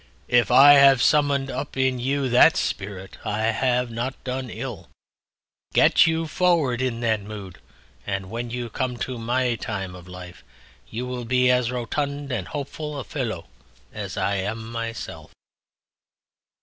"If I have summoned up in you that spirit I have not done ill! Get you forward in that mood and when you come to my time of life you will be as rotund and hopeful a fellow as I am myself."